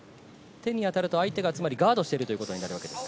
手に当たると相手がガードしてるということになるわけですか？